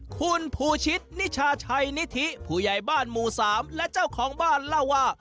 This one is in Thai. คุณภูชิตนิชาชัยนิธิผู้ใหญ่บ้านหมู่๓และเจ้าของบ้านเล่าว่า